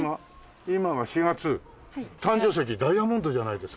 誕生石ダイヤモンドじゃないですか。